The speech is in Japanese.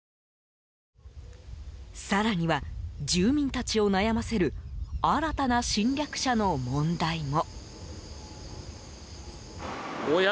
更には、住民たちを悩ませる新たな侵略者の問題も。